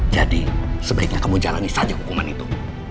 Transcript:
jadi sebaiknya kamu jalani saja hukuman itu